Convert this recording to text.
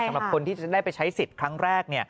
สำหรับคนที่จะได้ไปใช้สิทธิ์ครั้งแรก